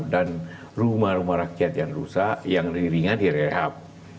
dan rumah rumah rakyat yang rusak yang ringan direhab